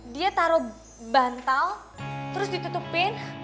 dia taruh bantal terus ditutupin